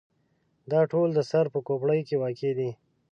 دا ټول د سر په کوپړۍ کې واقع دي.